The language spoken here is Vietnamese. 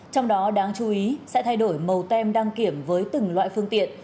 trong đó đáng chú ý sẽ thay đổi màu tem đăng kiểm với từng loại phương tiện